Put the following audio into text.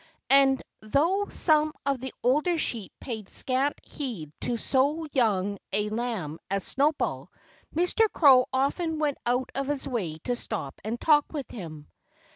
And though some of the older sheep paid scant heed to so young a lamb as Snowball, Mr. Crow often went out of his way to stop and talk with him.